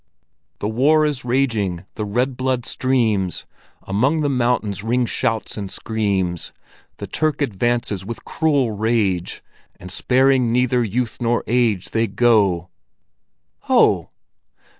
"The war is raging, the red blood streams, Among the mountains ring shouts and screams! The Turk advances with cruel rage, And sparing neither youth nor age. They go—" "Ho!"